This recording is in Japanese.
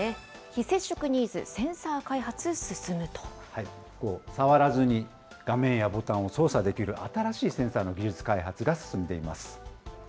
非接触ニーズ、センサー開発進む触らずに画面や、ボタンを操作できる新しいセンサーの技術開発が進んでいます。